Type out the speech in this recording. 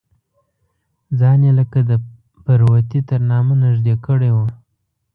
ځان یې لکه د پروتې تر نامه نږدې کړی و.